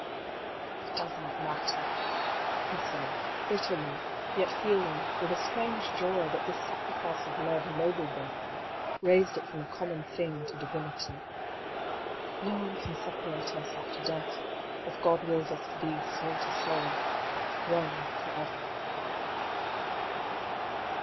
" It does not matter," he said, bitterly, yet feeling, with a strange joy, that this sacrifice of love ennobled their love, raised it from a common thing to divinity. ^^ No one can separate us after death, if God wills us to be soul to soul — one for ever."